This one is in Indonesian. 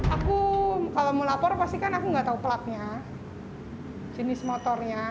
aku kalau mau lapor pasti kan aku nggak tahu platnya jenis motornya